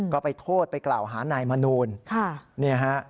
ก็ไปโทษไปกล่าวหานายมนูล